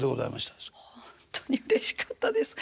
ほんとにうれしかったです。